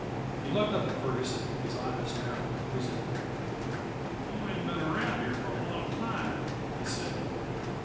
He looked up at Ferguson, his eyes narrowing quizzically. "You ain't been around here for a long time," he said.